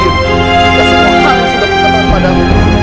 dan semua hal yang sudah berlaku pada aku